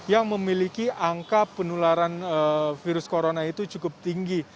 yang memiliki angka penularan virus corona itu cukup tinggi